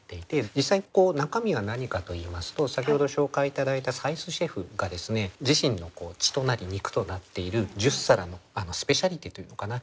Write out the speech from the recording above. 実際中身は何かといいますと先ほど紹介頂いた斉須シェフが自身の血となり肉となっている十皿のスペシャリテと言うのかな？